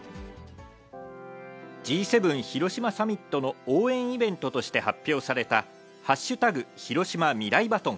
Ｇ７広島サミットの応援イベントして発表された、＃ヒロシマ未来バトン。